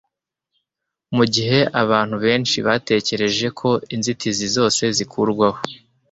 Mu gihe abantu benshi bategereje ko inzitizi zose zikurwaho